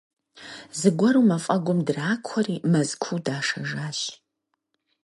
Зыгуэру мафӀэгум дракуэри, Мэзкуу дашэжащ.